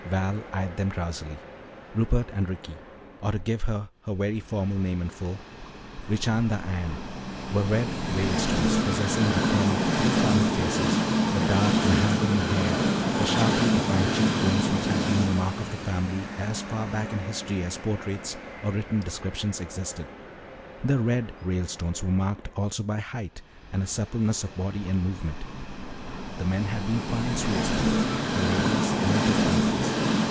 Val eyed them drowsily. Rupert and Ricky or to give her her very formal name in full Richanda Anne, were "Red" Ralestones, possessing the thin, three cornered faces, the dark mahogany hair, the sharply defined cheek bones which had been the mark of the family as far back in history as portraits or written descriptions existed. The "Red" Ralestones were marked also by height and a suppleness of body and movement. The men had been fine swordsmen, the ladies noted beauties.